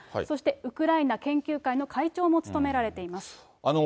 そしてウクライナ研究会の会長も務められています。